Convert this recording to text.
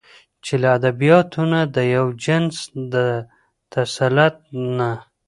چې له ادبياتو نه د يوه جنس د تسلط نه